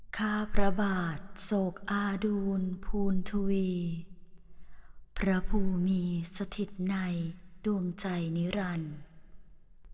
ข้าพระบาทโศกอาดูลภูณทวีพระภูมิมีสถิตในดวงใจนิรันดิ์